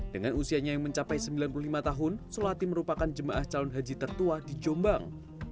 dengan usianya yang mencapai sembilan puluh lima tahun solatih merupakan jemaah calon haji tertua di jombang